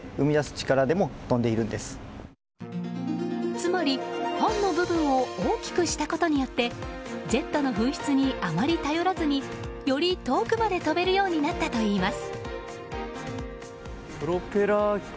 つまり、ファンの部分を大きくしたことによってジェットの噴出にあまり頼らずにより遠くまで飛べるようになったといいます。